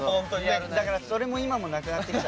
だからそれも今もなくなってきた。